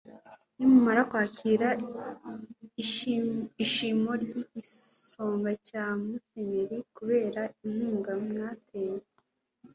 nimumara kwakira ishimo ry'igisonga cya musenyeri kubera inkunga mwateye